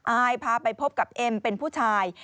อายพาไปพบกับเอ็มเป็นผู้ชาย